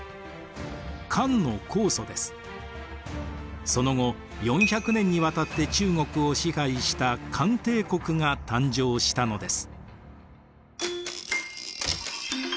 漢のその後４００年にわたって中国を支配した漢帝国が誕生したのです。